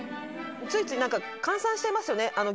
ついつい換算しちゃいますよね。